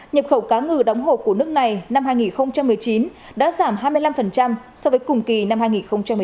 nhập khẩu cá ngừ đóng hộp của nước này năm hai nghìn một mươi chín đã giảm hai mươi năm so với cùng kỳ năm hai nghìn một mươi chín